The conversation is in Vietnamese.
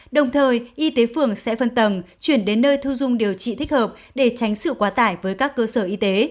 đồng thời y tế phường sẽ phân tầng chuyển đến nơi thu dung điều trị thích hợp để tránh sự quá tải với các cơ sở y tế